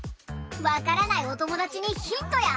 わからないおともだちにヒントや！